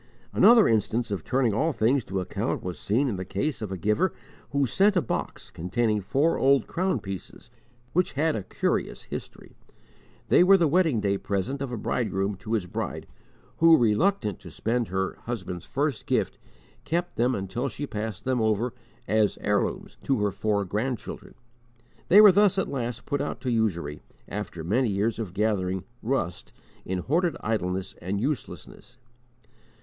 Another instance of turning all things to account was seen in the case of a giver who sent a box containing four old crown pieces which had a curious history. They were the wedding day present of a bridegroom to his bride, who, reluctant to spend her husband's first gift, kept them until she passed them over, as heirlooms, to her four grand children. They were thus at last put out to usury, after many years of gathering "rust" in hoarded idleness and uselessness.